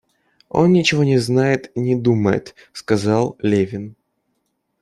Он ничего не знает и не думает, — сказал Левин.